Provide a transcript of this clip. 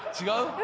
違う？